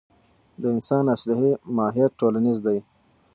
د انسان اصلي ماهیت ټولنیز دی.